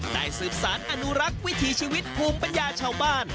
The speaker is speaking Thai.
สืบสารอนุรักษ์วิถีชีวิตภูมิปัญญาชาวบ้าน